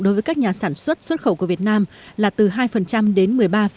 đối với các nhà sản xuất xuất khẩu của việt nam là từ hai đến một mươi ba sáu mươi tám